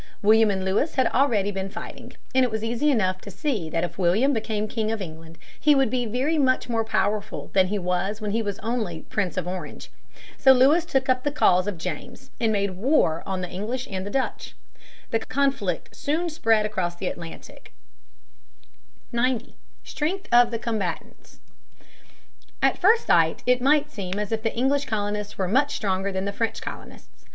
William and Louis had already been fighting, and it was easy enough to see that if William became King of England he would be very much more powerful than he was when he was only Prince of Orange. So Louis took up the cause of James and made war on the English and the Dutch. The conflict soon spread across the Atlantic. [Sidenote: Disadvantages of the English colonists.] [Sidenote: Advantages of the French colonists.] 90. Strength of the Combatants. At first sight it might seem as if the English colonists were much stronger than the French colonists.